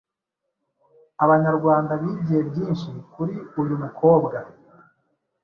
Abanyarwanda bigiye byinshi kuri uyu mukobwa,